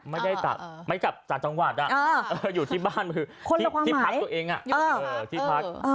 ไม่ได้จากจังหวัดอยู่ที่บ้านคือที่พักตัวเอง